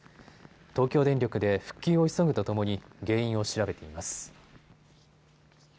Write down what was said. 東京電力で復旧を急ぐとともに原因を調べています。